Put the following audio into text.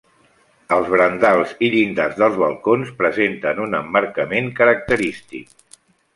Els brancals i llindars dels balcons presenten un emmarcament característic.